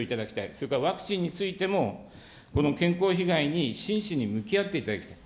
それからワクチンについても、この健康被害に真摯に向き合っていただきたい。